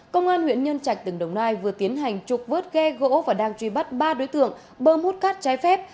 công an huyện nhân trạch tỉnh đồng nai vừa tiến hành trục vớt ghe gỗ và đang truy bắt ba đối tượng bơm hút cát trái phép